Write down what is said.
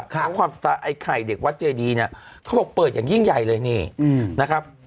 ของความสตาร์ไอ้ไข่เด็กวัดเจดีเนี่ยเขาบอกเปิดอย่างยิ่งใหญ่เลยนี่นะครับ